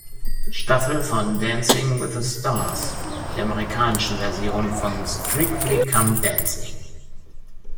Staffel von Dancing with the Stars, der amerikanischen Version von Strictly Come Dancing.